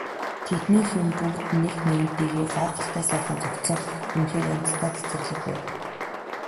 Тэндхийн юм бүгд нэг нэгэнтэйгээ гайхалтай сайхан зохицсон үнэхээр янзтай цэцэрлэг байв.